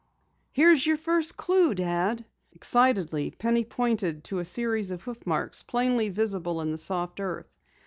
"Here's your first clue, Dad!" Excitedly, Penny pointed to a series of hoof marks plainly visible in the soft earth.